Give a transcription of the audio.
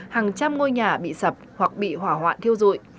hàng trăm ngôi nhà bị sập hoặc bị hỏa hoạn thiêu dụi